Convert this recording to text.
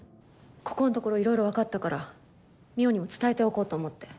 ここんところいろいろわかったから望緒にも伝えておこうと思って。